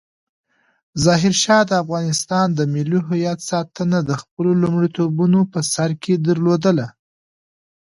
ظاهرشاه د افغانستان د ملي هویت ساتنه د خپلو لومړیتوبونو په سر کې درلودله.